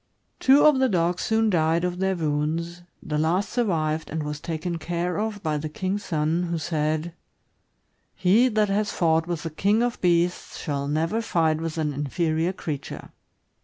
Two of the dogs soon died of their wounds; the last survived, and was taken care of by the king's son, who said: " He that has fought with the king of beasts shall never fight with an inferior creature."